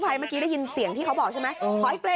ภัยเมื่อกี้ได้ยินเสียงที่เขาบอกใช่ไหมขออีกเปรย์